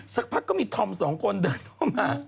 สักพักก็มีธอมสองคนเดินเข้ามา